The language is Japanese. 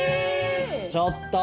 ちょっと！